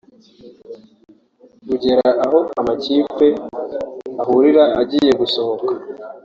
ugera aho amakipe ahurira agiye gusohoka